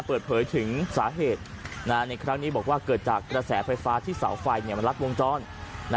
เปิดเผยถึงสาเหตุในครั้งนี้บอกว่าเกิดจากกระแสไฟฟ้าที่เสาไฟมันลัดวงจร